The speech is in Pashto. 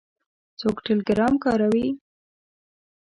څوک ټیلیګرام کاروي؟